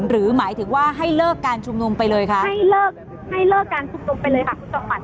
หรือหมายถึงว่าให้เลิกการชุมนุมไปเลยค่ะให้เลิกการชุมนุมไปเลยค่ะคุณสิริวัณค่ะ